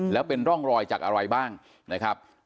แล้วเป็นร่องรอยจากอะไรบ้างนะครับ